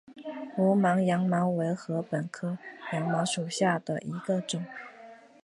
无芒羊茅为禾本科羊茅属下的一个种。